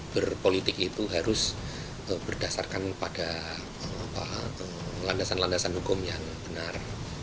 berpolitik itu harus berdasarkan pada landasan landasan hukum yang benar